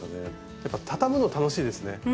やっぱ畳むの楽しいですね。